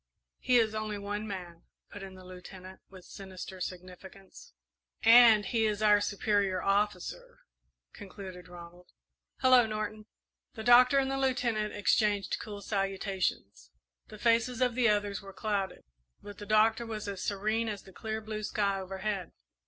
"He is only one man," put in the Lieutenant, with sinister significance. "And he is our superior officer," concluded Ronald. "Hello, Norton!" The Doctor and the Lieutenant exchanged cool salutations. The faces of the others were clouded, but the Doctor was as serene as the clear blue sky overhead.